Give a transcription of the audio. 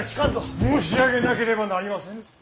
申し上げなければなりませぬ。